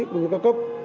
cũng như các cấp